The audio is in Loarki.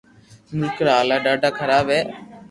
ملڪ را ھالات ڌاڌا خراب ھي